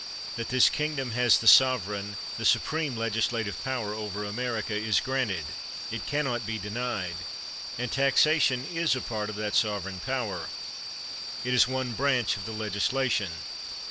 That this kingdom has the sovereign, the supreme legislative power over America, is granted; it can not be denied; and taxation is a part of that sovereign power. It is one branch of the legislation.